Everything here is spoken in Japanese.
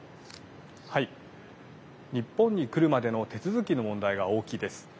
日本に来るまでの手続きの問題が大きいです。